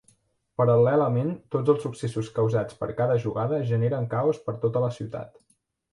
Paral·lelament tots els successos causats per cada jugada generen caos per tota la ciutat.